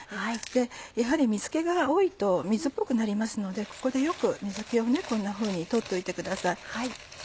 やはり水気が多いと水っぽくなりますのでここでよく水気をこんなふうに取っておいてください。